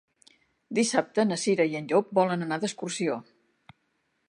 Dissabte na Cira i en Llop volen anar d'excursió.